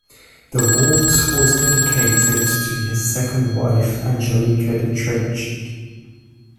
The waltz was dedicated to his second wife, Angelika Dittrich.